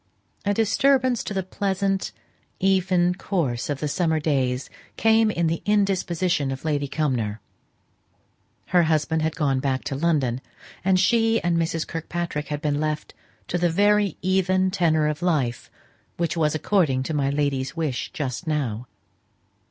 A disturbance to the pleasant, even course of the summer days came in the indisposition of Lady Cumnor. Her husband had gone back to London, and she and Mrs. Kirkpatrick had been left to the very even tenor of life, which was according to my lady's wish just now.